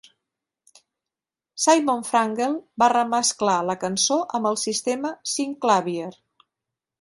Simon Franglen va remesclar la cançó amb el sistema synclavier.